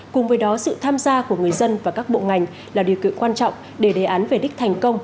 cùng với đó sự tham gia của người dân và các bộ ngành là điều kiện quan trọng để đề án về đích thành công